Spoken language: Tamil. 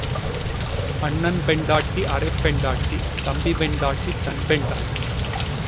அண்ணன் பெண்டாட்டி அரைப் பெண்டாட்டி தம்பி பெண்டாட்டி தன் பெண்டாட்டி.